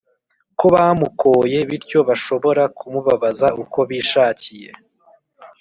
ko bamukoye bityo bashobora kumubabaza uko bishakiye.